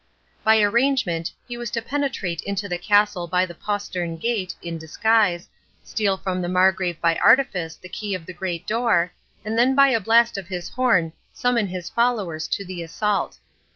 By arrangement he was to penetrate into the castle by the postern gate in disguise, steal from the Margrave by artifice the key of the great door, and then by a blast of his horn summon his followers to the assault.